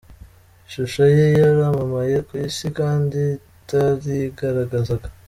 Ishusho ye yaramamaye ku Isi kandi atarigaragazaga.